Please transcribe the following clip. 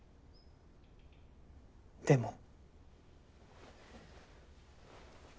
でも。